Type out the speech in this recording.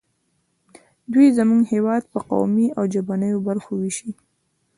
دوی زموږ هېواد په قومي او ژبنیو برخو ویشي